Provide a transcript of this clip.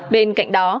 bên cạnh đó